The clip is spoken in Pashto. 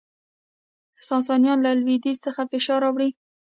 ساسانیانو له لویدیځ څخه فشار راوړ